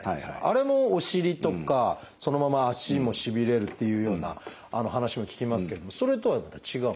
あれもお尻とかそのまま足もしびれるっていうような話も聞きますけれどもそれとはまた違うんですか？